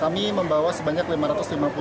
kami membawa sebanyak rp lima ratus lima puluh